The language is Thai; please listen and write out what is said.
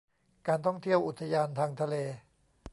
การท่องเที่ยวอุทยานทางทะเล